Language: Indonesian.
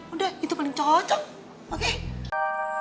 udah itu paling cocok oke